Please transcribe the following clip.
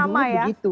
ya dari dulu begitu